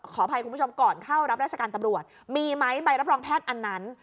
ขออภัยคุณผู้ชมก่อนเข้ารับราชการตำรวจมีไหมใบรับรองแพทย์อันนั้น